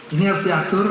ini harus diatur